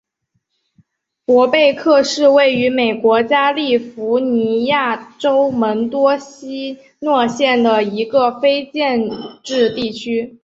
伯贝克是位于美国加利福尼亚州门多西诺县的一个非建制地区。